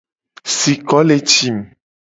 Siko le tim.